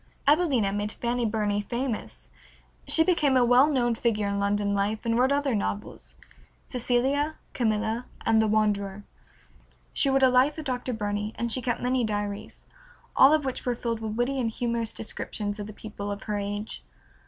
"Evelina" made Fanny Burney famous. She became a well known figure in London life, and wrote other novels, "Cecilia, "Camilla," and "The Wanderer." She wrote a life of Dr. Burney, and she kept many diaries, all of which were filled with witty and humorous descriptions of the people of her age.